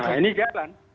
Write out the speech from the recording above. nah ini jalan